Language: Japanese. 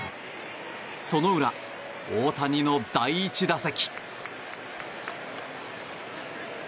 その裏、大谷の第１打席。